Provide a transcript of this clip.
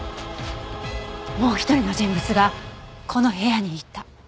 もう１人の人物がこの部屋にいた。